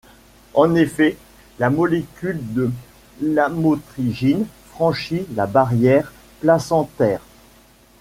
En effet la molécule de lamotrigine franchit la barrière placentaire.